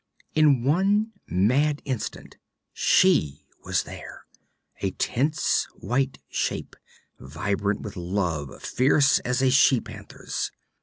In one mad instant she was there a tense white shape, vibrant with love fierce as a she panther's.